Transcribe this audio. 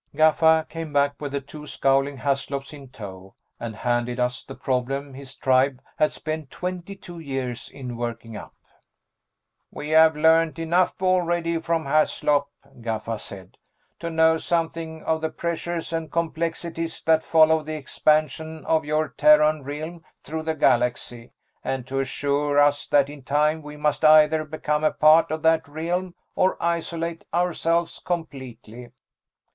Gaffa came back with the two scowling Haslops in tow and handed us the problem his tribe had spent twenty two years in working up. "We have learned enough already from Haslop," Gaffa said, "to know something of the pressures and complexities that follow the expansion of your Terran Realm through the galaxy, and to assure us that in time we must either become a part of that Realm or isolate ourselves completely.